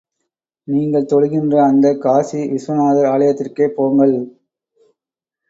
நீங்கள் தொழுகின்ற அந்தக் காசி விஸ்வநாதர் ஆலயத்திற்கே போங்கள்.